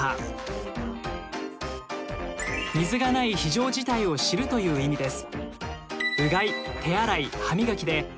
水がない非常事態を知るという意味です。